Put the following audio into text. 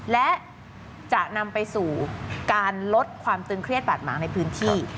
และจะนำไปสู่การลดความตึงเครียดบาดหมางในพื้นที่